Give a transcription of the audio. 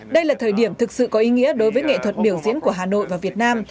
đây là thời điểm thực sự có ý nghĩa đối với nghệ thuật biểu diễn của hà nội và việt nam